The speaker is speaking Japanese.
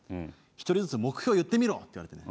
「１人ずつ目標言ってみろ！」って言われてね。